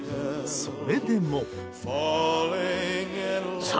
それでも。